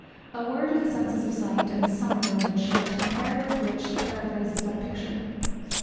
A word of the sense of sight, and a summer word, in short, compared with which the paraphrase is but a picture.